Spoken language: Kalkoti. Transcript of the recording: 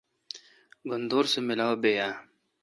گھن دور سہ ملاوبیلہ؟